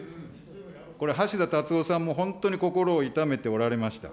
これ、橋田達夫さん、本当に心を痛めておられました。